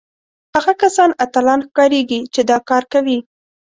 هغه کسان اتلان ښکارېږي چې دا کار کوي